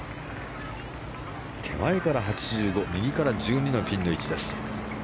手前から８５右から１２のピンの位置です。